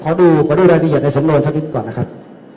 ขอดูรายละเอียดในสำนวนสักนิดก่อนนะครับ